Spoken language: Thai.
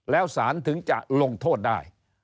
แล้วสารถึงจะลงโทษได้